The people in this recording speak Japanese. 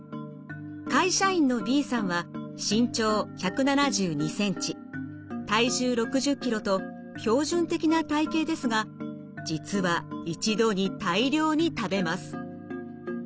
会社員のＢさんは身長１７２ｃｍ体重６０ｋｇと標準的な体型ですが実は一度に大量に食べます。